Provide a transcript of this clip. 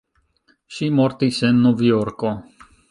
Ŝi mortis en Novjorko.